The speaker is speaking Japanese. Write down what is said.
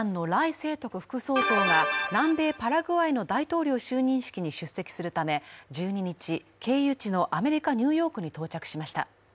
清徳副総統が南米パラグアイの大統領就任式に出席するため１２日、経由地のアメリカ・ニューヨークに到着しました。